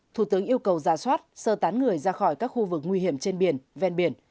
thủ tướng yêu cầu giả soát sơ tán người ra khỏi các khu vực nguy hiểm trên biển ven biển